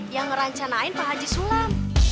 yang ngerancanain pak haji sulam